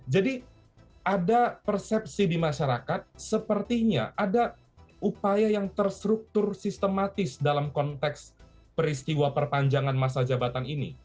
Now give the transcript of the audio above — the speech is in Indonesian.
jadi ada persepsi di masyarakat sepertinya ada upaya yang terstruktur sistematis dalam konteks peristiwa perpanjangan masa jabatan ini